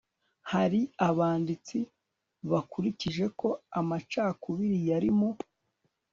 hari abanditsi bakuririje ko amacakubiri yari mu